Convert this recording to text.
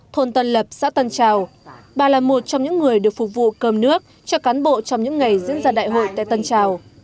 thôn tân lập xã tân trào bà là một trong những người được phục vụ cơm nước cho cán bộ trong những ngày diễn ra đại hội tại tân trào